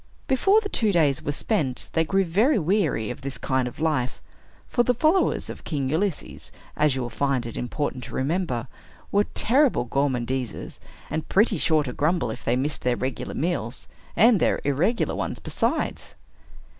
Before the two days were spent, they grew very weary of this kind of life; for the followers of King Ulysses, as you will find it important to remember, were terrible gormandizers, and pretty sure to grumble if they missed their regulars meals, and their irregular ones besides.